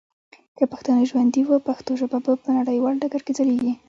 که پښتانه ژوندي وه ، پښتو ژبه به په نړیوال ډګر کي ځلیږي.